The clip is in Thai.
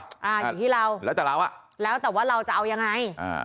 ก็คืออยู่ที่เราแล้วแต่เราแต่ว่าเราจะเอายังไง